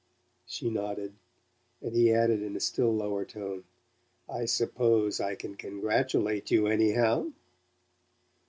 She nodded, and he added in a still lower tone: "I suppose I can congratulate you, anyhow?"